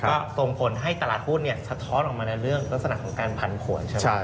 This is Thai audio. ก็ส่งผลให้ตลาดหุ้นสะท้อนออกมาในเรื่องลักษณะของการผันผวนใช่ไหม